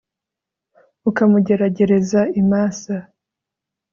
ukamugeragereza i masa